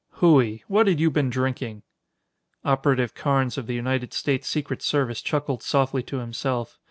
"Hooey! What had you been drinking?" Operative Carnes of the United States Secret Service chuckled softly to himself.